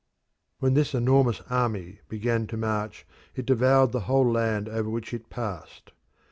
When this enormous army began to march it devoured the whole land over which it passed.